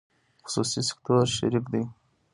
خصوصي سکتور شریک دی